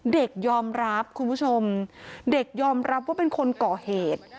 เด็กยอมรับคุณผู้ชมเด็กยอมรับว่าเป็นคนก่อเหตุ